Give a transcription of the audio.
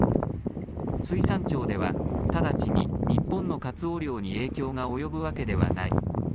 水産庁では、直ちに日本のカツオ漁に影響が及ぶわけではない。